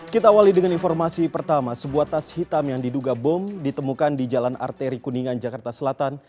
kita awali dengan informasi pertama sebuah tas hitam yang diduga bom ditemukan di jalan arteri kuningan jakarta selatan